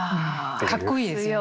かっこいいですよね。